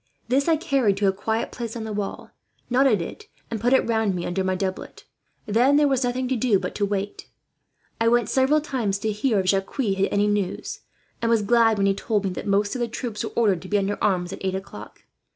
This I carried to a quiet place on the wall, knotted it, and put it round me under my doublet. Then there was nothing to do but to wait. I went several times to hear if Jacques had any news, and was glad when he told me that most of the troops were ordered to be under arms, at eight o'clock.